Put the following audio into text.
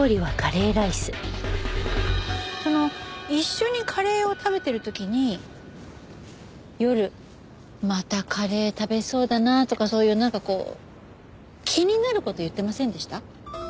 その一緒にカレーを食べてる時に「夜またカレー食べそうだなあ」とかそういうなんかこう気になる事言ってませんでした？